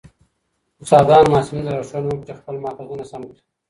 استادانو محصلینو ته لارښوونه وکړه چي خپل ماخذونه سم کړي.